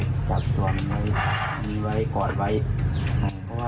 มีไว้กอดไว้เพราะว่ามันโดนฟัน